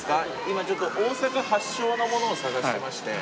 今大阪発祥のものを探してまして。